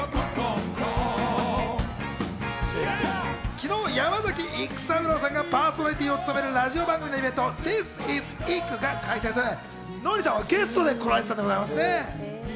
昨日、山崎育三郎さんがパーソナリティーを務めるラジオ番組のイベント、ＴＨＩＳＩＳＩＫＵが開催され、ノリさんはゲストで来られたんですね。